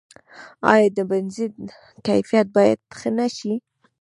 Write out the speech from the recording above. آیا د بنزین کیفیت باید ښه نشي؟